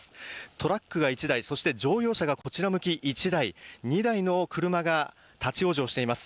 トラックが１台、そして乗用車がこちら向き１台、２台の車が立往生しています。